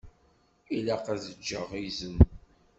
Ilaq ad ǧǧeɣ izen.